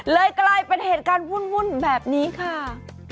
กลายเป็นเหตุการณ์วุ่นแบบนี้ค่ะ